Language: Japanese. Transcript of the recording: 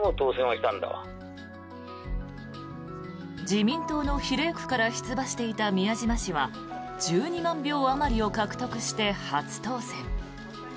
自民党の比例区から出馬していた宮島氏は１２万票あまりを獲得して初当選。